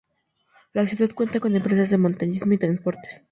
La ciudad cuenta con empresas de montañismo y transportes.